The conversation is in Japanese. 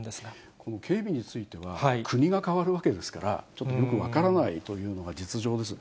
この警備については、国が変わるわけですから、ちょっとよく分からないというのが実情です。